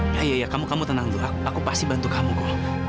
ya ya ya kamu tenang dulu aku pasti bantu kamu go